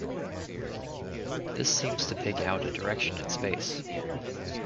This seems to pick out a direction in space.